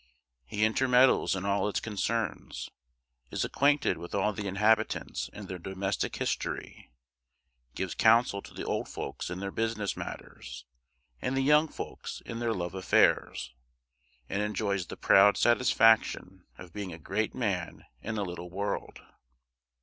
He intermeddles in all its concerns, is acquainted with all the inhabitants and their domestic history, gives counsel to the old folks in their business matters, and the young folks in their love affairs, and enjoys the proud satisfaction of being a great man in a little world.